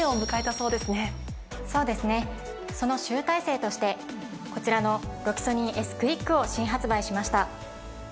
そうですねその集大成としてこちらのロキソニンＳクイックを新発売しました。